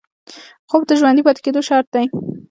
خوب د ژوندي پاتې کېدو شرط دی